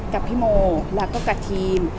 กับพี่โมแล้วก็กับทีม